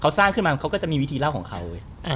เขาสร้างขึ้นมาเขาก็จะมีวิธีเล่าของเขา